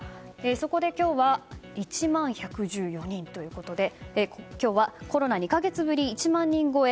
そこで今日は１万１１４人ということで今日はコロナ２か月ぶり１万人超え